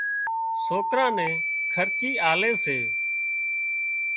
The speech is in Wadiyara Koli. سوڪران نين خرچي آلي سي